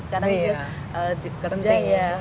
sekarang kerja ya